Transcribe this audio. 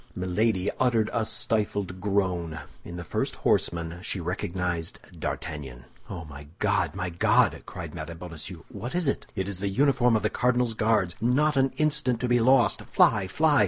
Milady uttered a stifled groan. In the first horseman she recognized D'Artagnan. "Oh, my God, my God," cried Mme. Bonacieux, "what is it?" "It is the uniform of the cardinal's Guards. Not an instant to be lost! Fly, fly!"